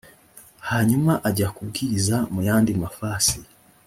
hanyuma ajya kubwiriza mu yandi mafasi